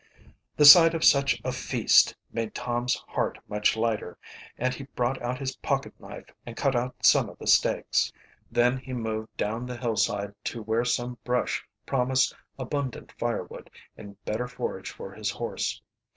The sight of such a feast made Tom's heart much lighter, and he brought out his pocket knife and cut out some of the steaks. Then he moved down the hillside to where some brush promised abundant firewood and better forage for his horse.